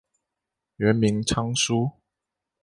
原名昌枢。